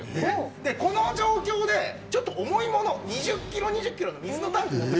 この状況でちょっと重いものを２０キロ、２０キロの水のタンクです。